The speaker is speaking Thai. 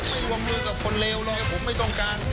ไม่รวมมือกับคนเลวเลยผมไม่ต้องการ